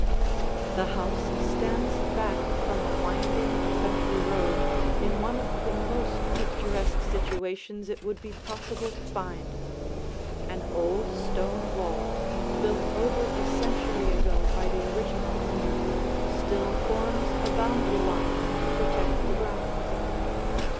[Illustration: LONE TREE FARM] The house stands back from a winding country road in one of the most picturesque situations it would be possible to find. An old stone wall, built over a century ago by the original owner, still forms a boundary line to protect the grounds.